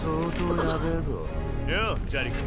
ようジャリコ。